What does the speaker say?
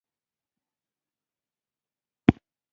دا د هولبورن څخه بهر د ځوان پرکینز وژنه وه